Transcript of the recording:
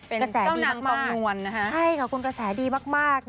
เป็นเจ้านางปลอมนวลนะฮะเป็นกระแสดีมากใช่ขอบคุณกระแสดีมาก